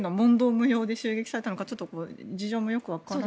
無用で襲撃されたのかちょっと事情もよくわからない。